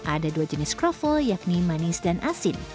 ada dua jenis kroffel yakni manis dan asin